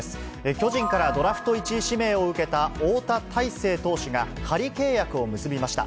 巨人からドラフト１位指名を受けた翁田大勢投手が仮契約を結びました。